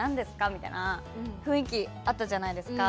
みたいな雰囲気あったじゃないですか。